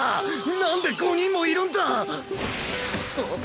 なんで５人もいるんだ⁉あっ。